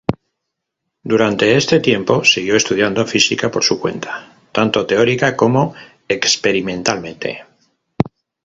Durante este tiempo siguió estudiando física por su cuenta, tanto teórica como experimentalmente.